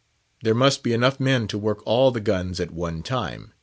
There must be enough men to work all the guns at one time.